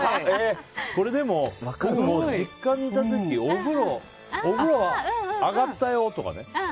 これでも、実家にいた時お風呂上がったよ！とか。